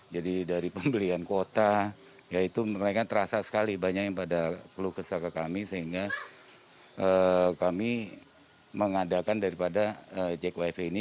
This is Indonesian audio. jadi dari pembelian kuota ya itu mereka terasa sekali banyak yang pada perlu kesukaan kami sehingga kami mengadakan daripada jakwifi ini